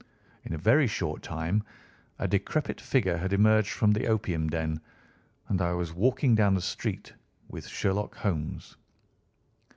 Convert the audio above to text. In a very short time a decrepit figure had emerged from the opium den, and I was walking down the street with Sherlock Holmes.